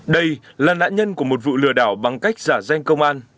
đây là nạn nhân của một vụ lừa đảo bằng cách giả danh công an